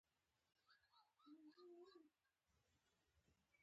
ریښتیا خبرې تل بریالۍ وي